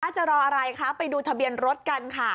จะรออะไรคะไปดูทะเบียนรถกันค่ะ